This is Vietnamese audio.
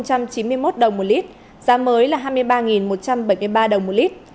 cụ thể giá e năm ron chín mươi hai tăng một chín mươi một đồng một lít giá mới là hai mươi ba một trăm bảy mươi ba đồng một lít